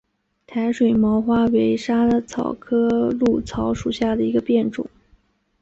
台水毛花为莎草科藨草属下的一个变种。